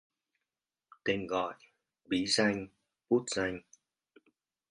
Tên gọi, bí danh, bút danh